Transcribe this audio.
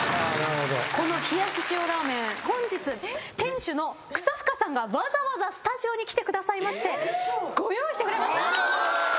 この冷やし塩ラーメン本日店主の草深さんがわざわざスタジオに来てくださいましてご用意してくれました。